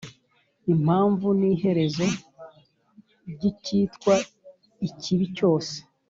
impamvu n’iherezo ry’icyitwa ikibi cyose: